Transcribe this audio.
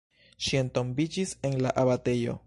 Ŝi entombiĝis en la abatejo.